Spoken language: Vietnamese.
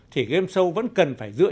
thì game show vẫn cần phải dựa